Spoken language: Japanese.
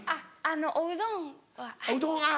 おうどんははい。